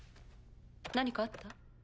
何かあった？